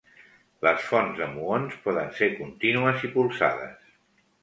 Les fonts de muons poden ser contínues i polsades.